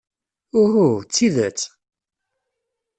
Uhuh! D tidet?